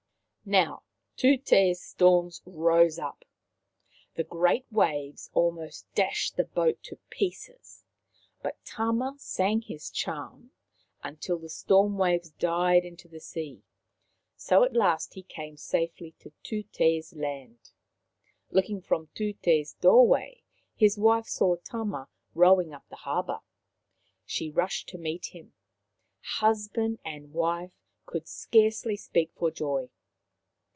Now Tutu's storms rose up. The great waves Tama and his Wife 205 almost dashed the boat to pieces. But Tama sang his charm until the storm waves died into the sea. So at last he came safely to Tute's land. Looking from Tut6's doorway, his wife saw Tama rowing up the harbour. She rushed to meet him. Husband and wife could scarcely speak for joy.